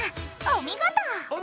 お見事！